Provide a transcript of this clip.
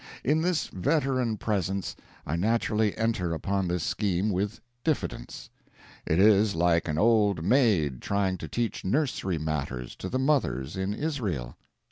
In this veteran presence I naturally enter upon this scheme with diffidence; it is like an old maid trying to teach nursery matters to the mothers in Israel.